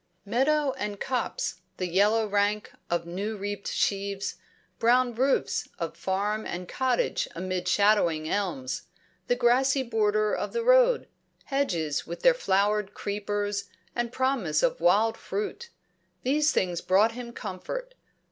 Meadow and copse, the yellow rank of new reaped sheaves, brown roofs of farm and cottage amid shadowing elms, the grassy borders of the road, hedges with their flowered creepers and promise of wild fruit these things brought him comfort.